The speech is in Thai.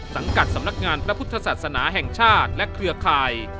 สังกัดสำนักงานพระพุทธศาสนาแห่งชาติและเครือข่าย